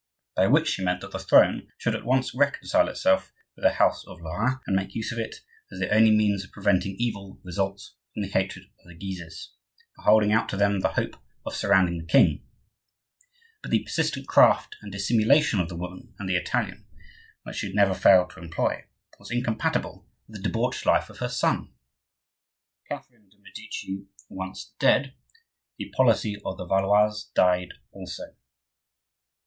By which she meant that the throne should at once reconcile itself with the house of Lorraine and make use of it, as the only means of preventing evil results from the hatred of the Guises,—by holding out to them the hope of surrounding the king. But the persistent craft and dissimulation of the woman and the Italian, which she had never failed to employ, was incompatible with the debauched life of her son. Catherine de' Medici once dead, the policy of the Valois died also.